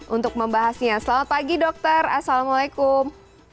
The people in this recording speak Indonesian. untuk membahasnya selamat pagi dokter assalamualaikum